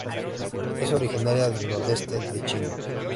Es originaria de nordeste de China.